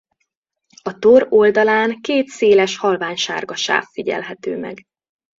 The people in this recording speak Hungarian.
A tor oldalán két széles halványsárga sáv figyelhető meg.